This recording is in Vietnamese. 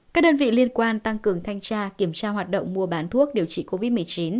các đơn vị liên quan tăng cường thanh tra kiểm tra hoạt động mua bán thuốc điều trị covid một mươi chín